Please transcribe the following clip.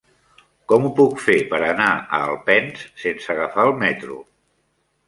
Com ho puc fer per anar a Alpens sense agafar el metro?